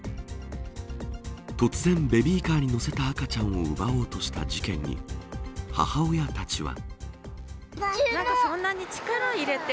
突然、ベビーカーに乗せた赤ちゃんを奪おうとした事件に母親たちは。